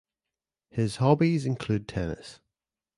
His hobbies include tennis.